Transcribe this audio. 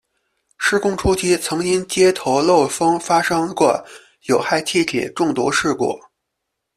施工初期曾因接头漏风发生过有害气体中毒事故。